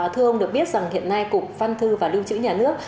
thưa ông được biết rằng hiện nay cục văn thư và lưu trữ nhà nước